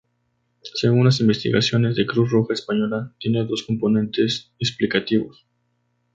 Según las investigaciones de Cruz Roja Española, tiene dos componentes explicativos.